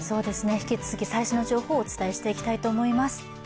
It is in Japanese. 引き続き最新の情報をお伝えしていきたいと思います。